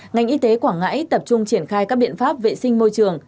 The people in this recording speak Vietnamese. ngành y tế quảng ngãi tập trung triển khai các biện pháp vệ sinh môi trường